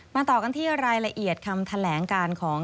ต่อกันที่รายละเอียดคำแถลงการของ